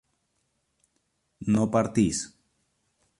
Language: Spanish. no partís